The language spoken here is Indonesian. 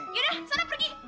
yaudah sana pergi